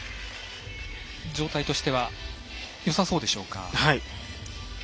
状態としてはよさそうでしょうか。